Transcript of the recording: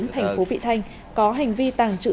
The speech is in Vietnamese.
thành phố vị thanh có hành vi tàng trữ